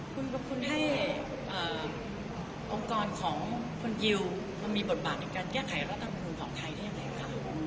คุณให้องค์กรของคนยิวมามีบทบาทในการแก้ไขรัฐมนูลของไทยได้ยังไงคะ